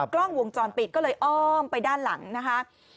กล้องวงจรปิดก็เลยอ้อมไปด้านหลังนะคะ